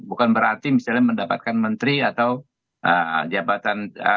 bukan berarti misalnya mendapatkan menteri atau jabatan